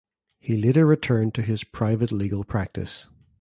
He later returned to his private legal practice.